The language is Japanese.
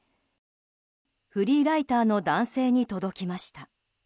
フリーライターの男性に届きました。